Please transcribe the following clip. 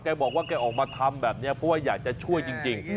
บอกว่าแกออกมาทำแบบนี้เพราะว่าอยากจะช่วยจริง